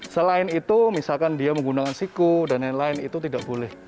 selain itu misalkan dia menggunakan siku dan lain lain itu tidak boleh